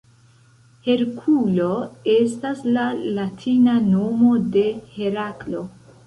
Herkulo estas la latina nomo de Heraklo.